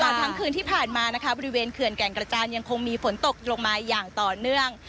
ทั้งคืนที่ผ่านมานะคะบริเวณเขื่อนแก่งกระจานยังคงมีฝนตกลงมาอย่างต่อเนื่อง